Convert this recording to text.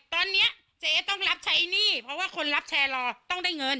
ตอนนี้เจ๊ต้องรับใช้หนี้เพราะว่าคนรับแชร์รอต้องได้เงิน